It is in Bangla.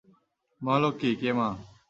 মহালক্ষী কে মা?